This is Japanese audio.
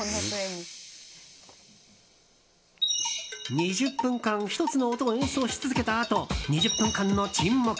２０分間１つの音を演奏し続けたあと２０分間の沈黙。